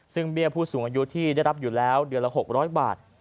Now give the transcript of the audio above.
ซึ่งเบี้ยผู้สูงอายุที่ได้รับอยู่แล้วเดือนละ๖๐๐บาท